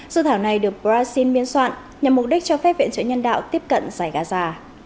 dự thảo này được brazil biên soạn nhằm mục đích cho phép viện trợ nhân đạo tiếp cận giải gaza